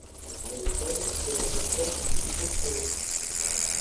À l'extrême, il s'agit de sphères ou de microsphérocytes.